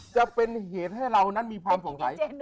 จะเป็นเหตุให้เรานั้นมีความสงสัย